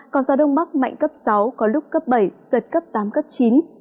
có gió đông bắc mạnh cấp sáu có lúc cấp bảy giật cấp tám cấp chín